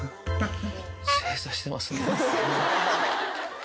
正座してますね。